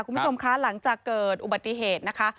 คุณผู้ชมคะหลังจากเกิดอุบัติเหตุนะคะ